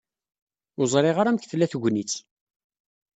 Ur ẓriɣ ara amek tella tegnit.